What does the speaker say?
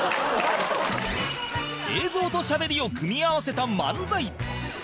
映像としゃべりを組み合わせた漫才